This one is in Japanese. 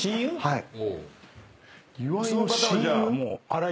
はい。